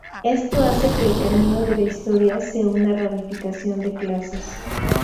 Esto hace que el camino de la historia sea una ramificación de clases.